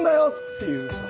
っていうさ。